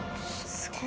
すごい！